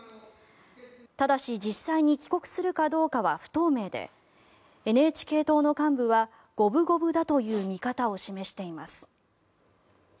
ただし実際に帰国するかどうかは不透明でＮＨＫ党の幹部は五分五分だという見方を示しています。